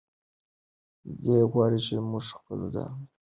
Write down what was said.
دی غواړي چې موږ خپل ځان وپیژنو.